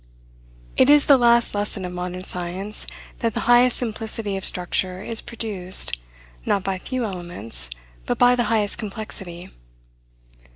It is the last lesson of modern science, that the highest simplicity of structure is produced, not by few elements, but by the highest complexity.